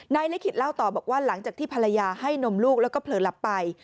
ลิขิตเล่าต่อบอกว่าหลังจากที่ภรรยาให้นมลูกแล้วก็เผลอหลับไป